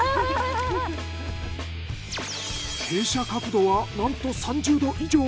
傾斜角度はなんと３０度以上！